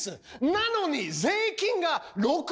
なのに税金が６ペンス。